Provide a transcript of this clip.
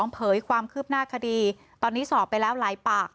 เผยความคืบหน้าคดีตอนนี้สอบไปแล้วหลายปาก